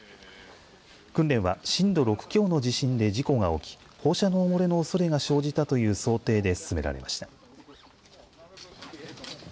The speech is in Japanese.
訓練は、震度６強の地震で事故が起き放射漏れのおそれが生じたという想定で進められました。